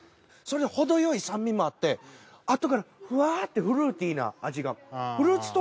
それで程よい酸味もあってあとからフワッてフルーティーな味が。